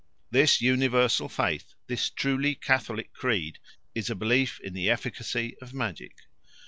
This universal faith, this truly Catholic creed, is a belief in the efficacy of magic.